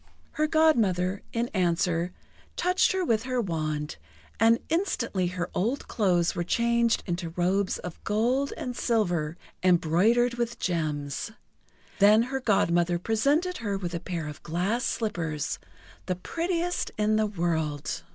Her Godmother, in answer, touched her with her wand, and instantly her old clothes were changed into robes of gold and silver embroidered with gems. Then her Godmother presented her with a pair of glass slippers, the prettiest in the world.